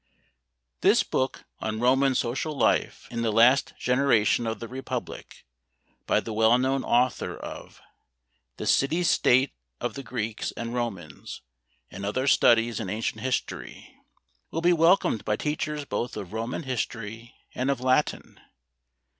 This book on Roman social life in the last generation of the Republic, by the well known author of "The City State of the Greeks and Romans" and other studies in ancient history, will be welcomed by teachers both of Roman history and of Latin.